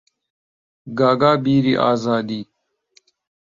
گاگا بیری ئازادی